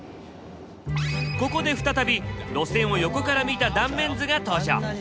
ここで再び路線を横から見た断面図が登場！